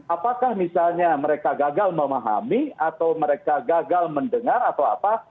apakah misalnya mereka gagal memahami atau mereka gagal mendengar atau apa